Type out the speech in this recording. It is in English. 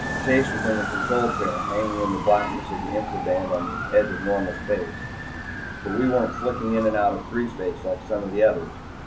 Chase was in the control chair, hanging in the blackness of the infra band on the edge of normal space. But we weren't flicking in and out of threespace like some of the others.